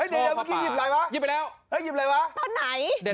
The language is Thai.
เฮ้ยเรนนี่เห็นไหม